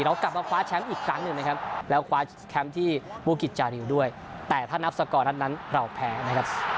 แล้วกลับมาคว้าแชมป์อีกครั้งหนึ่งอนั่นด้วยแต่ถ้านัดนั้นนั้นเราแพบ